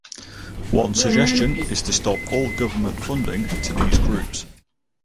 One suggestion is to stop all government funding to these groups.